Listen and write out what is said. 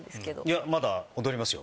いやまだ踊りますよ。